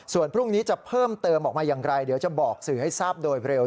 ส่วนพรุ่งนี้จะเพิ่มเติมออกมาอย่างไรเดี๋ยวจะบอกสื่อให้ทราบโดยเร็ว